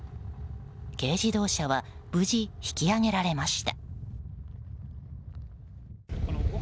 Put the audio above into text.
軽自動車は無事、引き上げられました。